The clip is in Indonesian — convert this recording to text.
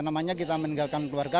namanya kita meninggalkan keluarga